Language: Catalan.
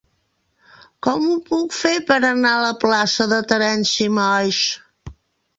Com ho puc fer per anar a la plaça de Terenci Moix?